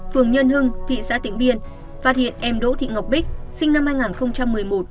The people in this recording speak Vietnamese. phường nhân hưng thị xã tịnh biên phát hiện em đỗ thị ngọc bích sinh năm hai nghìn một mươi một